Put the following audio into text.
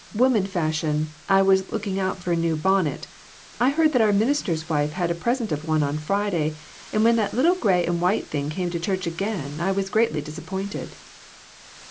" Woman fashion, I was looking out for a new bonnet ; I heard that our minister's wife had a present of one on Friday ; and when that little gray and white thing came to church again I was greatly disappointed."